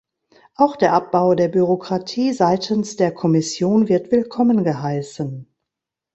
Auch der Abbau der Bürokratie seitens der Kommission wird willkommen geheißen.